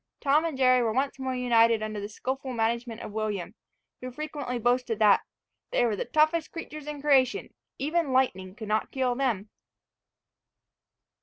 Tom and Jerry were once more united under the skilful management of William, who frequently boasted that "they were the toughest creatures in creation, even lightning could not kill them."